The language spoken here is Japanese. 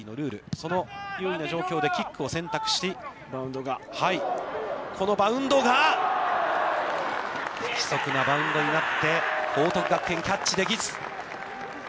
その優位な状況でキックを選択し、このバウンドが、不規則なバウンドになって、報徳学園、キャッチできず。